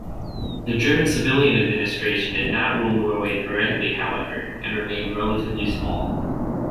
The German civilian administration did not rule Norway directly, however, and remained relatively small.